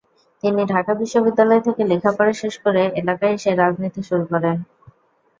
তিনি ঢাকা বিশ্ববিদ্যালয় থেকে লেখাপড়া শেষ করে এলাকায় এসে রাজনীতি শুরু করেন।